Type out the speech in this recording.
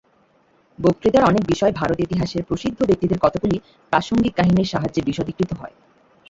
বক্তৃতার অনেক বিষয় ভারতেতিহাসের প্রসিদ্ধ ব্যক্তিদের কতকগুলি প্রাসঙ্গিক কাহিনীর সাহায্যে বিশদীকৃত হয়।